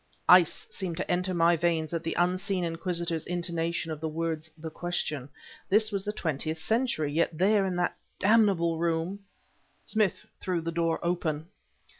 Ice seemed to enter my veins at the unseen inquisitor's intonation of the words "the question." This was the Twentieth Century, yet there, in that damnable room... Smith threw the door open.